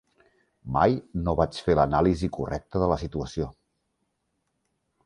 Mai no vaig fer l'anàlisi correcta de la situació